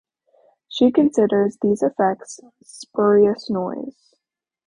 She considered these effects "spurious noise".